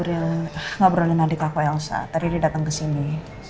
ini ngobrolin adik aku elsa tadi dia datang kesini